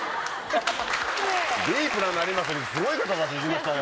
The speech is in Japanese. ディープな成増にすごい方たち行きましたね